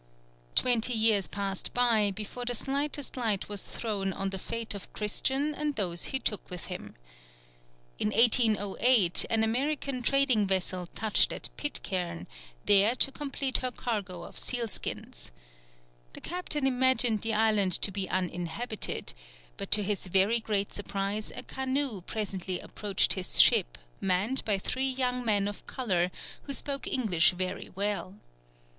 Twenty years passed by before the slightest light was thrown on the fate of Christian and those he took with him. In 1808 an American trading vessel touched at Pitcairn, there to complete her cargo of seal skins. The captain imagined the island to be uninhabited, but to his very great surprise a canoe presently approached his ship manned by three young men of colour, who spoke English very well.